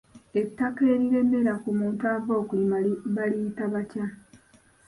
Ettaka eriremera ku muntu ava okulima, baliyita batya?